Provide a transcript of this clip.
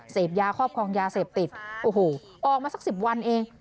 เสพยาครอบครองยาเสนอติดออกมาสักสิบวันเอง